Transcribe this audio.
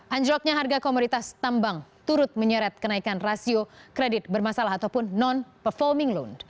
anjloknya harga komoditas tambang turut menyeret kenaikan rasio kredit bermasalah ataupun non performing loan